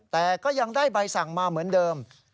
แต่ก็ยังได้ใบสั่งมาเหมือนเดิม